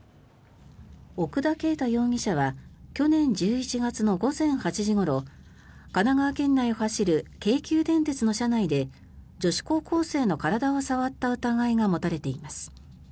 奥田慶太容疑者は去年１１月の午前８時ごろ神奈川県内を走る京急電鉄の車内で女子高校生の体を触った疑いが持たれています。